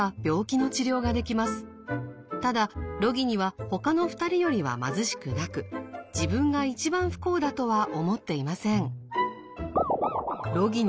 ただロギニはほかの２人よりは貧しくなく自分が一番不幸だとは思っていません。